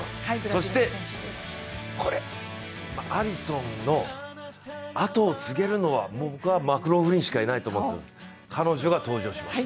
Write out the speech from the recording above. そして、アリソンの跡を継げるのはマクローフリンしかいないと思います。